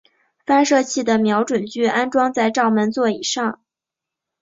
发射器的瞄准具安装在照门座以上。